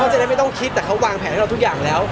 จะได้ไม่ต้องคิดแต่เขาวางแผนให้เราทุกอย่างแล้ว